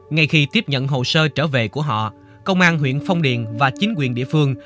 ngay khi tiếp nhận hồ sơ trở về của họ công an huyện phong điền và chính quyền địa phương